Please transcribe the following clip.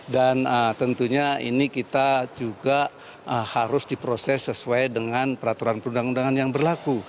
dan tentunya ini kita juga harus diproses sesuai dengan peraturan perundangan undangan yang berlaku